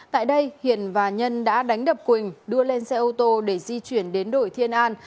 tại đây hiền và nhân đã đánh đập quỳnh đưa lên xe ô tô để di chuyển đến đổi thiên an